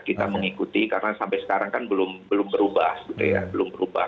kita mengikuti karena sampai sekarang kan belum berubah gitu ya belum berubah